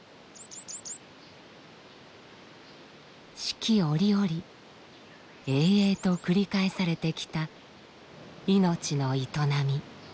四季折々営々と繰り返されてきた命の営み。